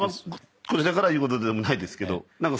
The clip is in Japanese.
こちらから言うことでもないですけど。